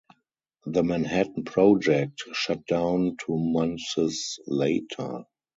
The Manhattan Project shut down two months later.